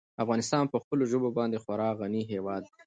افغانستان په خپلو ژبو باندې خورا غني هېواد دی.